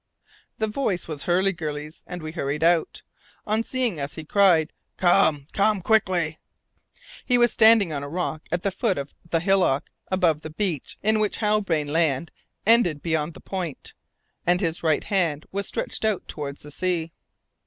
The voice was Hurliguerly's, and we hurried out. On seeing us, he cried, "Come come quickly!" He was standing on a rock at the foot of the hillock above the beach in which Halbrane Land ended beyond the point, and his right hand was stretched out towards the sea.